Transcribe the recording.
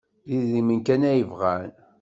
D idrimen kan ay bɣan.